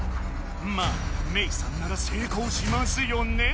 まあメイさんなら成功しますよね？